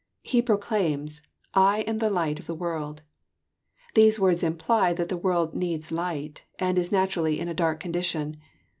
He proclaims, "I am the light of the world.*' These words imply that the world needs light, and is naturally in a dark condition.